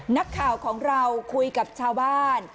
นักข่าวของเราคุยกับชาวบ้าน